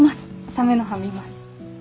サメの歯見ます。